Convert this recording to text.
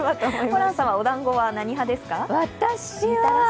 ホランさんはおだんごは何派ですか？